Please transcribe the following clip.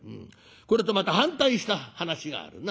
これとまた反対した話があるな。